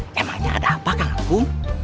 emangnya ada apa kan aku